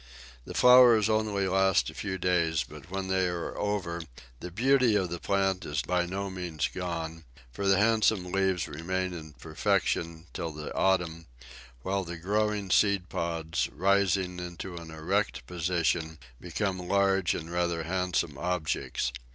The flowers only last a few days, but when they are over the beauty of the plant is by no means gone, for the handsome leaves remain in perfection till the autumn, while the growing seed pods, rising into an erect position, become large and rather handsome objects.